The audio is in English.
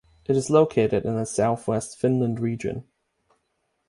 It is located in the Southwest Finland region.